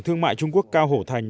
thương mại trung quốc cao hổ thành